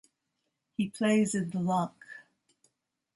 He plays in the lock.